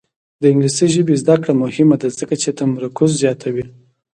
د انګلیسي ژبې زده کړه مهمه ده ځکه چې تمرکز زیاتوي.